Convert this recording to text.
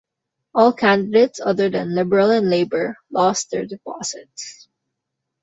All candidates other than Liberal and Labour lost their deposits.